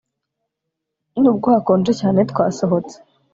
Nubwo hakonje cyane twasohotse